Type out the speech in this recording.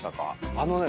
あのね。